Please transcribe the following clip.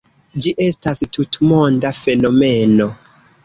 Ĝi estas tutmonda fenomeno.